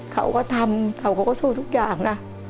เขาก็ทำเขาก็สู้ทุกอย่างนะ